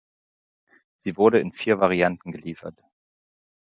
Sie wurde in vier Varianten geliefert.